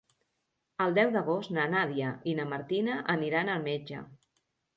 El deu d'agost na Nàdia i na Martina aniran al metge.